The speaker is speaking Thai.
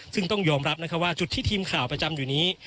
ซึ่งต้องยอมรับว่าจุดที่ทีมข่าวประจำอยู่นี้